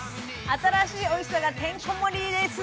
新しいおいしさがてんこ盛りです。